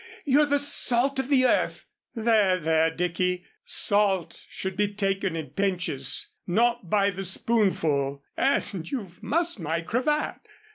You're the salt of the earth " "There, there, Dicky. Salt should be taken in pinches, not by the spoonful, and you've mussed my cravat!